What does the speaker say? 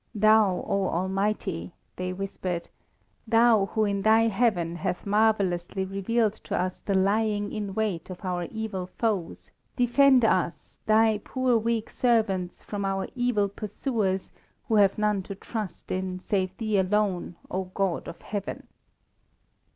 "Thou, O Almighty," they whispered, "Thou who in Thy heaven hath marvellously revealed to us the lying in wait of our evil foes, defend us, Thy poor weak servants, from our evil pursuers, who have none to trust in save Thee alone, O God of heaven!"